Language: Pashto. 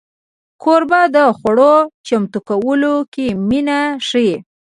کوربه د خوړو چمتو کولو کې مینه ښيي.